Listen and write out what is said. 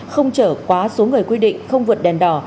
không chở quá số người quy định không vượt đèn đỏ